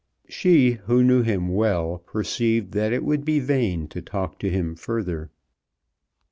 She who knew him well perceived that it would be vain to talk to him further.